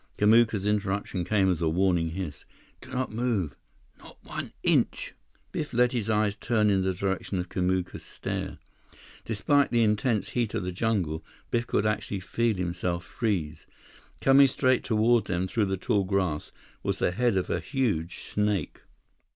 Kamuka's interruption came as a warning hiss. "Do not move—not one inch!" Biff let his eyes turn in the direction of Kamuka's stare. Despite the intense heat of the jungle, Biff could actually feel himself freeze. Coming straight toward them through the tall grass was the head of a huge snake!